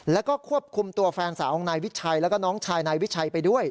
แล้วก็ควบคุมตัวแฟนสาวของนายวิชัยแล้วก็น้องชายนายวิชัยไปด้วย